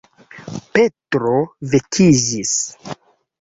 Petro vekiĝis.